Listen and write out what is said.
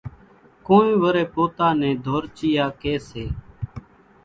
ڪونئين وريَ پوتا نين ڌورچِيئا ڪي سي۔